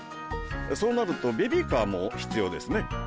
そうなるとベビーカーも必要ですね。